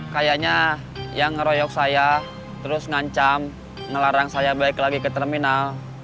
kayaknya yang ngeroyok saya terus ngancam ngelarang saya balik lagi ke terminal